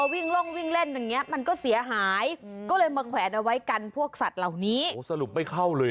คุณน้องนุ๊ดคนที่เอามาแขวนบางทียังตกใจเลย